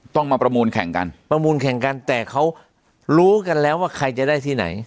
ต้องมาประมูลแข่งกันประมูลแข่งกันแต่เขารู้กันแล้วว่าใครจะได้ที่ไหน